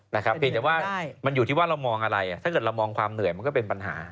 เพียงแต่ว่ามันอยู่ที่ว่าเรามองอะไรถ้าเกิดเรามองความเหนื่อยมันก็เป็นปัญหา